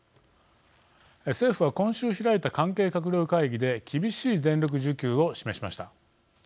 政府は今週開いた関係閣僚会議で厳しい電力需給を示しました。